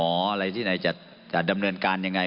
อะไรที่ไหนจะดำเนินการยังไง